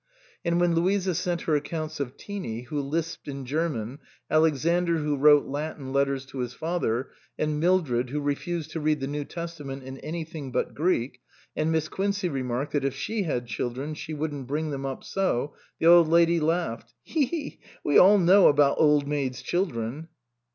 And when Louisa sent her accounts of Teenie who lisped in German, Alexander who wrote Latin letters to his father, and Mildred who refused to read the New Testament in anything but Greek, and Miss Quincey remarked that if she had children she wouldn't bring them up so, the Old Lady laughed " Tehee Tehee ! We all know about old maids' children."